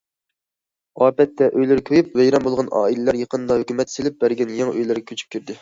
ئاپەتتە ئۆيلىرى كۆيۈپ، ۋەيران بولغان ئائىلىلەر يېقىندا ھۆكۈمەت سېلىپ بەرگەن يېڭى ئۆيلەرگە كۆچۈپ كىردى.